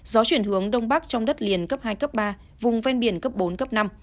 gió chuyển hướng đông bắc trong đất liền cấp hai cấp ba vùng ven biển cấp bốn cấp năm